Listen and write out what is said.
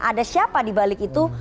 ada siapa di balik itu